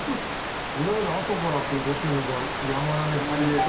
いわゆる阿蘇からこっちに向かうやまなみハイウェイとか。